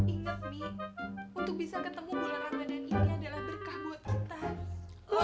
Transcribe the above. ingat nih untuk bisa ketemu bulan ramadhan ini adalah berkah buat kita